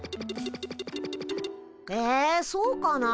えそうかな。